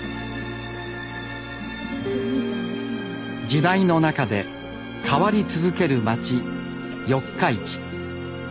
時代の中で変わり続ける街四日市。